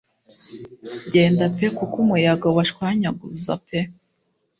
Genda pe kuko umuyaga ubashwanyaguza pe -